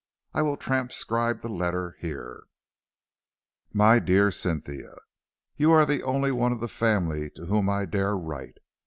I will transcribe the letter here: "MY DEAR CYNTHIA: "You are the only one of the family to whom I dare write.